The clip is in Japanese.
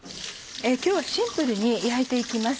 今日はシンプルに焼いて行きます。